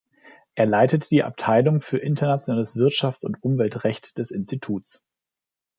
Er leitet die Abteilung für internationales Wirtschafts- und Umweltrecht des Instituts.